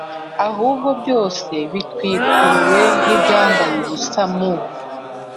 ahubwo byose bitwikuruwe nk ibyambaye ubusa mu